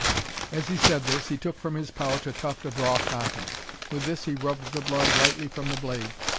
As he said this, he took from his pouch a tuft of raw cotton. With this he rubbed the blood lightly from the blade.